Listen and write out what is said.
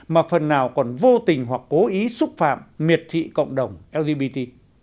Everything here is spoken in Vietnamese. mà phần nào còn vô tình hoặc cố ý xúc phạm miệt thị cộng đồng lgbt